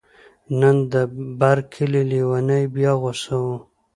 نن د بر کلي لیونی بیا غوسه و